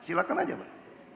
silahkan aja pak